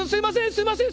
すいません！